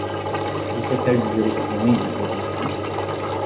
Você quer dizer espiões e coisas assim?